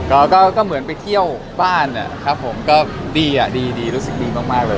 ก็ก็เหมือนไปเที่ยวบ้านนะครับผมก็ดีอ่ะดีดีรู้สึกดีมากเลย